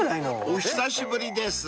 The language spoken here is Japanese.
［お久しぶりです］